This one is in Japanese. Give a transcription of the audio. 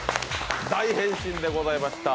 大変身でございました。